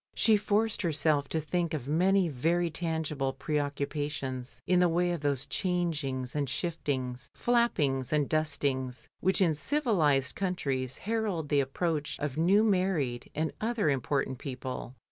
She forced herself to think of many very tangible preoccupations in the way of those changings and shiftings, flappings and dustings, which in civilised coimtrieS herald the ap proach of new married and other important people.